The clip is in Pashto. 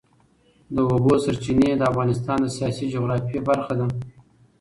د اوبو سرچینې د افغانستان د سیاسي جغرافیه برخه ده.